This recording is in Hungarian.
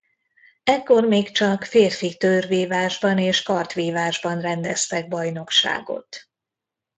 Ekkor még csak férfi tőrvívásban és kardvívásban rendeztek bajnokságot.